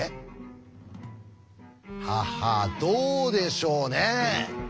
ははどうでしょうね。